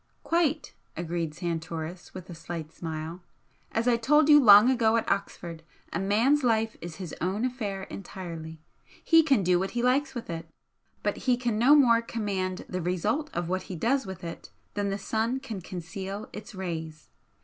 "Quite!" agreed Santoris, with a slight smile "As I told you long ago at Oxford, a man's life is his own affair entirely. He can do what he likes with it. But he can no more command the RESULT of what he does with it than the sun can conceal its rays.